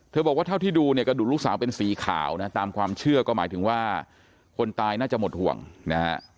บอกว่าเท่าที่ดูเนี่ยกระดูกลูกสาวเป็นสีขาวนะตามความเชื่อก็หมายถึงว่าคนตายน่าจะหมดห่วงนะฮะ